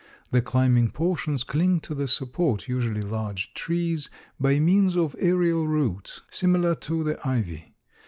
The climbing portions cling to the support (usually large trees) by means of aerial roots similar to the ivy.